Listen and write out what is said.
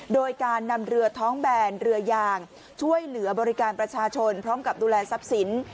โดยการนำเรือท้องแบนเรือยางช่วยเหลือบริการประชาชนพร้อมกับดูแลทรัพย์สิน